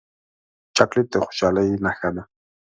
چاکلېټ د خوشحالۍ نښه ده.